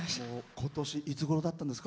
今年いつごろだったんですか？